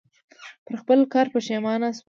پر خپل کار پښېمانه شوم .